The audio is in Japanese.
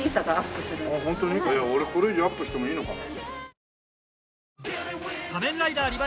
俺これ以上アップしてもいいのかな？